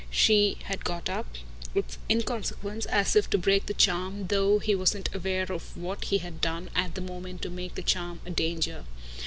She had got up, with inconsequence, as if to break the charm, though he wasn't aware of what he had done at the moment to make the charm a danger.